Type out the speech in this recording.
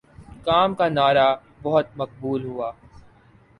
کام کا نعرہ بہت مقبول ہوا